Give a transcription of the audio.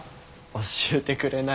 教えてくれないんだ。